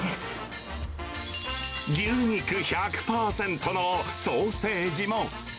牛肉１００％のソーセージも。